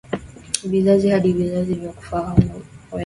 Vizazi hadi vizazi, vya kufahamu wewe